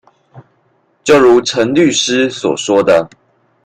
就如陳律師所說的